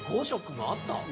２５色もあった？